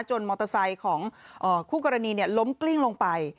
มอเตอร์ไซค์ของคู่กรณีล้มกลิ้งลงไป